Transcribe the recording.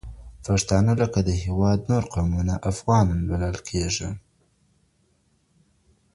پښتانه لکه د هيواد نور قومونه 'افغان' بلل کېږي،